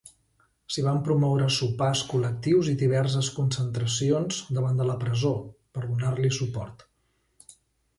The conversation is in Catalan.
S'hi van promoure sopars col·lectius i diverses concentracions, davant de la presó, per donar-li suport.